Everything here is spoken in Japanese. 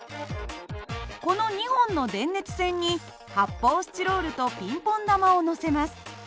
この２本の電熱線に発泡スチロールとピンポン玉をのせます。